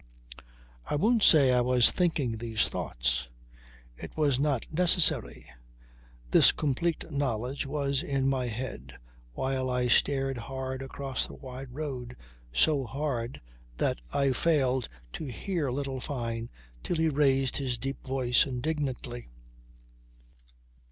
I won't say I was thinking these thoughts. It was not necessary. This complete knowledge was in my head while I stared hard across the wide road, so hard that I failed to hear little Fyne till he raised his deep voice indignantly.